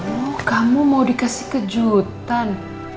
oh kamu mau dikasih kejutan